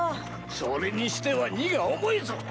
それにしては荷が重いぞ！